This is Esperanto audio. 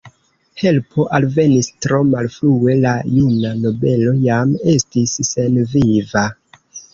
Helpo alvenis tro malfrue; la juna nobelo jam estis senviva.